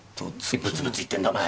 何ブツブツ言ってんだお前？